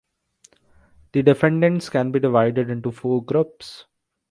The defendants can be divided into four groups.